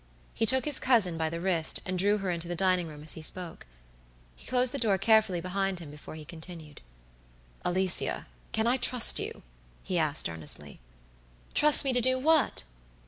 He took his cousin by the wrist, and drew her into the dining room as he spoke. He closed the door carefully behind him before he continued: "Alicia, can I trust you?" he asked, earnestly. "Trust me to do what?"